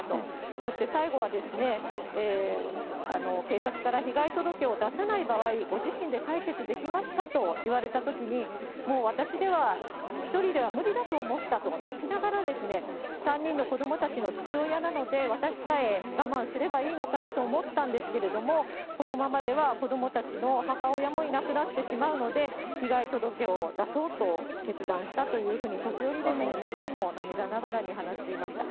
そして、最後は、警察から被害届を出さない場合、ご自身で解決できますか？と言われたときに、もう私では、１人では無理だと思ったと、泣きながら、３人の子どもたちの父親なので、私さえがまんすればいいのかなと思ったんですけれども、このままでは子どもたちの母親もいなくなってしまうので、被害届を出そうと決断したというふうに、時折、何度も涙ながらに話していました。